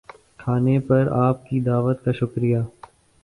کھانے پر آپ کی دعوت کا شکریہ